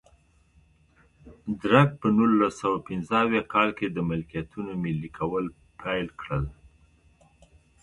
درګ په نولس سوه پنځه اویا کال کې د ملکیتونو ملي کول پیل کړل.